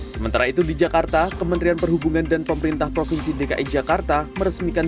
sementara itu di jakarta kementerian perhubungan dan pemerintah provinsi dki jakarta meresmikan